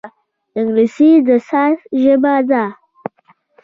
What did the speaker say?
انګلیسي د ساینس ژبه ده